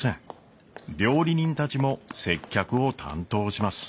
料理人たちも接客を担当します。